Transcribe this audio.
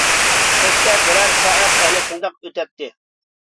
كەچتە بىرەر سائەت ئەنە شۇنداق ئۆتەتتى.